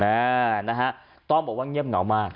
นะฮะต้องบอกว่าเงียบเหงามาก